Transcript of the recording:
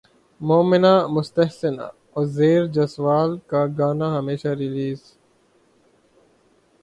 مومنہ مستحسن عزیر جسوال کا گانا ہمیشہ ریلیز